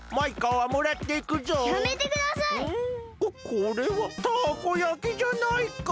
ここれはたこ焼きじゃないか！